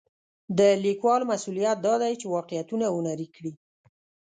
د لیکوال مسوولیت دا دی چې واقعیتونه هنري کړي.